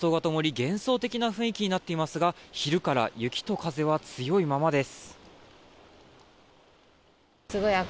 幻想的な雰囲気になっていますが昼から雪と風は強いままです。